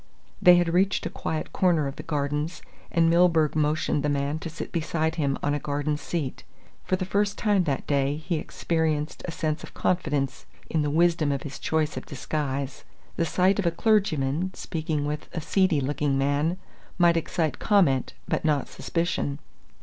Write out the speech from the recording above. They had reached a quiet corner of the Gardens and Milburgh motioned the man to sit beside him on a garden seat. For the first time that day he experienced a sense of confidence in the wisdom of his choice of disguise. The sight of a clergyman speaking with a seedy looking man might excite comment, but not suspicion.